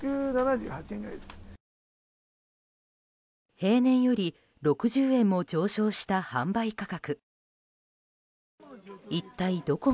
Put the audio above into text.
平年より６０円も上昇した販売価格。